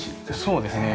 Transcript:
そうですね。